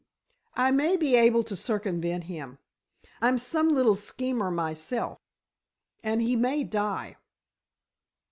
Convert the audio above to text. "I may be able to circumvent him. I'm some little schemer myself. And he may die."